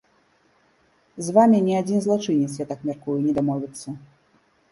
З вамі ні адзін злачынец, я так мяркую, не дамовіцца.